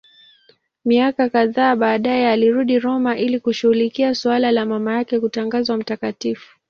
Miaka kadhaa baadaye alirudi Roma ili kushughulikia suala la mama yake kutangazwa mtakatifu.